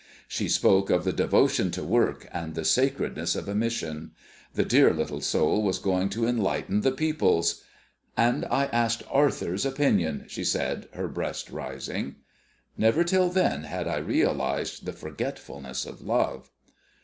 She spoke of the Devotion to Work and the Sacredness of a Mission. The dear little soul was going to enlighten the peoples! "And I asked Arthur's opinion," she said, her breast rising. Never till then had I realised the forgetfulness of love.